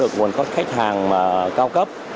còn có khách hàng cao cấp